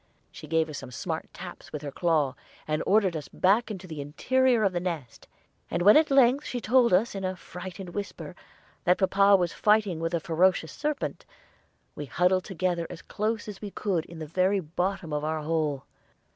She gave us some smart taps with her claw, and ordered us back to the interior of the nest; and when she at length told us in a frightened whisper that papa was fighting with a ferocious serpent, we huddled together as close as we could in the very bottom of our hole.